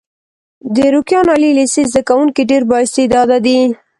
د روکيان عالي لیسې زده کوونکي ډېر با استعداده دي.